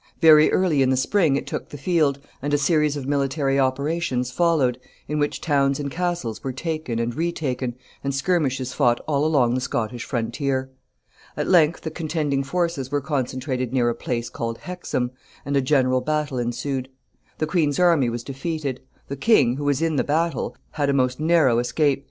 Very early in the spring it took the field, and a series of military operations followed, in which towns and castles were taken and retaken, and skirmishes fought all along the Scottish frontier. At length the contending forces were concentrated near a place called Hexham, and a general battle ensued. The queen's army was defeated. The king, who was in the battle, had a most narrow escape.